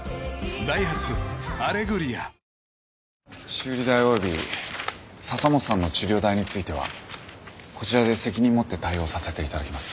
修理代および笹本さんの治療代についてはこちらで責任持って対応させていただきます。